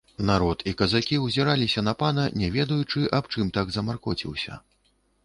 Народ і казакі ўзіраліся на пана, не ведаючы, аб чым так замаркоціўся.